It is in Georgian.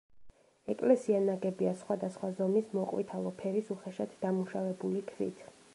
ეკლესია ნაგებია სხვადასხვა ზომის მოყვითალო ფერის უხეშად დამუშავებული ქვით.